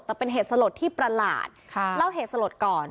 แต่เป็นเหตุสลดที่ประหลาดเล่าเหตุสลดก่อน